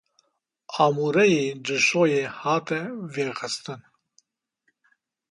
Amûreyê cilşoyê hate vêxistin